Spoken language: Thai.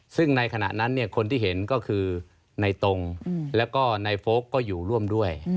ซึ่งในขณะนั้นคนที่เห็นก็คือในตรงแล้วก็ในโฟลกก็อยู่ร่วมด้วย